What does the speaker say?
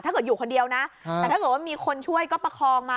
อยู่คนเดียวนะแต่ถ้าเกิดว่ามีคนช่วยก็ประคองมา